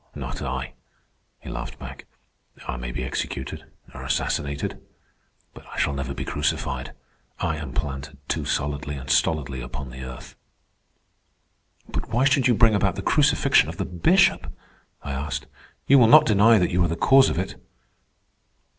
"Not I," he laughed back. "I may be executed, or assassinated, but I shall never be crucified. I am planted too solidly and stolidly upon the earth." "But why should you bring about the crucifixion of the Bishop?" I asked. "You will not deny that you are the cause of it."